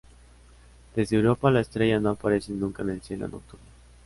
Desde Europa, la estrella no aparece nunca en el cielo nocturno.